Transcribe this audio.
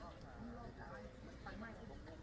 อันนี้มีเหตุการณ์ล้อมธรรมิเหตุครั้งหนึ่ง